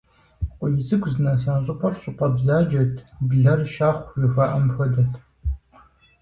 КъуийцӀыкӀу здынэса щӀыпӀэр щӀыпӀэ бзаджэт, блэр щахъу жыхуаӀэм хуэдэт.